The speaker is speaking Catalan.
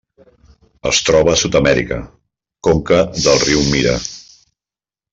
Es troba a Sud-amèrica: conca del riu Mira.